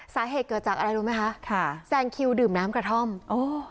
สาเหตุเกิดจากอะไรรู้ไหมคะค่ะแซงคิวดื่มน้ำกระท่อมอ๋อ